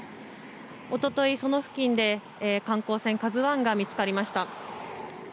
一昨日、その付近で観光船「ＫＡＺＵ１」が見つかりました。